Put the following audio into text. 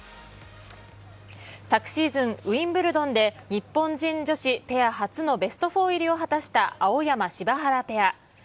昨シーズン、ウィンブルドンで日本人女子ペア初のベスト４入りを果たした青山・柴原ペア。